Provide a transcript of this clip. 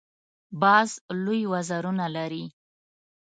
باز لوی وزرونه لري